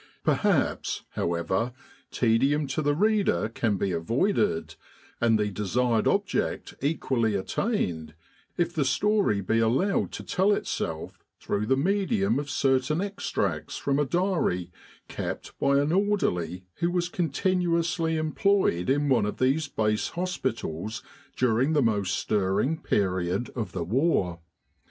Perhaps, however, tedium to the reader can be avoided, and the desired object equally attained, if the story be allowed to tell itself through the medium of certain extracts from a diary kept by an orderly who was continuously employed in one of these Base hospitals during the most stirring period of the war.